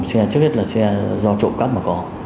xe trước hết là xe do trộm cắp mà có